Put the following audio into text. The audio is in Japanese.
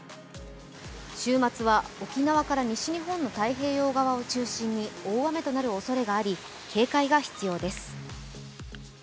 週末は沖縄から西日本の太平洋側を中心に大雨となるおそれがあり警戒が必要です。